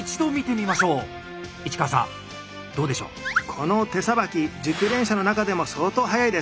この手さばき熟練者の中でも相当はやいです。